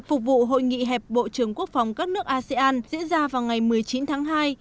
phục vụ hội nghị hẹp bộ trưởng quốc phòng các nước asean diễn ra vào ngày một mươi chín tháng hai